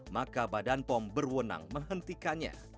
maka badan pom berwenang menghentikannya